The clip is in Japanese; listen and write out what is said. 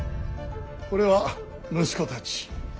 これは息子たち。